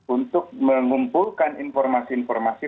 untuk mengumpulkan informasi informasi